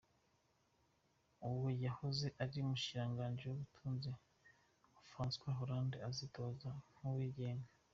Uwo yahoze ari umushikiranganji w’ubutunzi wa Francois Hollande azitoza nk’uwigenga.